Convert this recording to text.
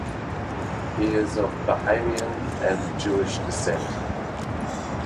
He is of Bahamian and Jewish descent.